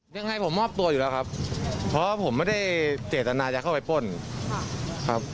ยังไงผมมอบตัวอยู่แล้วครับเพราะว่าผมไม่ได้เจตนาจะเข้าไปป้นครับ